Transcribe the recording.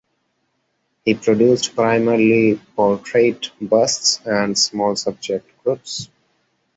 He produced primarily portrait busts and small subject groups.